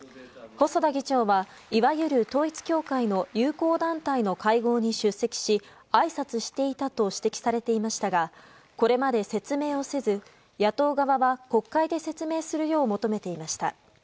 細田議長は、いわゆる統一教会の友好団体の会合に出席しあいさつしていたと指摘されていましたがこれまで説明をせず、野党側は国会で説明するよう求めていました。